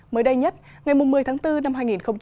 mới đây nhất ngày một mươi tháng bốn năm hai nghìn hai mươi